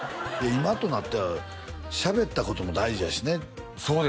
今となってはしゃべったことも大事やしね